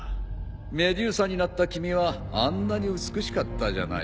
メデューサになった君はあんなに美しかったじゃないか。